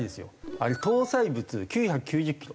あれ搭載物９９０キロ